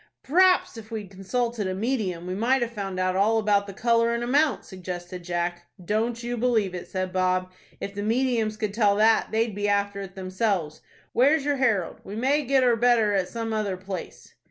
"P'r'aps, if we'd consulted a medium, we might have found out all about the color and amount," suggested Jack. "Don't you believe it," said Bob. "If the mediums could tell that, they'd be after it themselves. Where's your 'Herald'? We may get or better at some other place."